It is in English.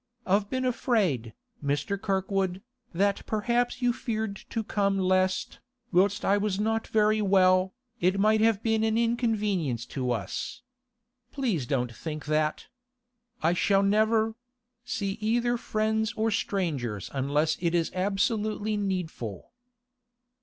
I've been afraid, Mr. Kirkwood, that perhaps you feared to come lest, whilst I was not very well, it might have been an inconvenience to us. Please don't think that. I shall never—see either friends or strangers unless it is absolutely needful.